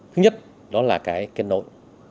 thứ nhất đó là cái kết nối